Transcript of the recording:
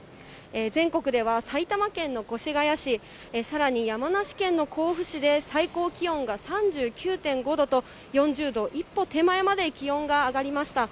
全国では埼玉県の越谷市、さらに山梨県の甲府市で、最高気温が３９．５度と、４０度一歩手前まで気温が上がりました。